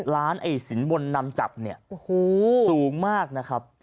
ล้านไอ้สินบนนำจับเนี่ยโอ้โหสูงมากนะครับ